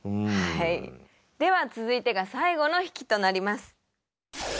では続いてが最後の引きとなります。